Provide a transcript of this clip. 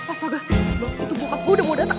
astaga bokap itu bokap gue udah mau dateng